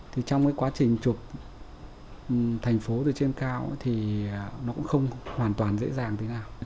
thì trong cái quá trình chụp thành phố từ trên cao thì nó cũng không hoàn toàn dễ dàng thế nào